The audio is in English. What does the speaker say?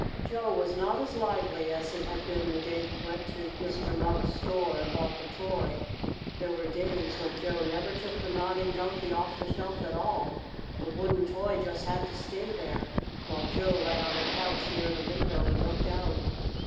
Joe was not as lively as he had been that day he went to Mr. Mugg's store and bought the toy. There were days when Joe never took the Nodding Donkey off the shelf at all. The wooden toy just had to stay there, while Joe lay on a couch near the window and looked out.